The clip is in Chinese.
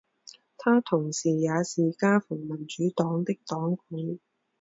他同时也是加蓬民主党的党魁。